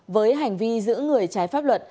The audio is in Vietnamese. với hành vi giữ người trái pháp luật